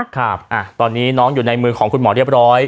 ครับตอนนี้น้องอยู่ในมือของคุณหมอเรียบร้อย